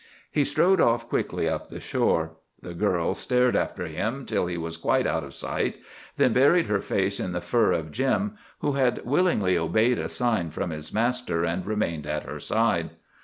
He strode off quickly up the shore. The girl stared after him till he was quite out of sight, then buried her face in the fur of Jim, who had willingly obeyed a sign from his master and remained at her side.